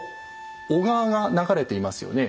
小川が流れていますよね。